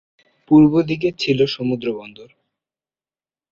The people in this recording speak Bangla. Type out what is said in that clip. পূর্বদিকে ছিল সমুদ্রবন্দর।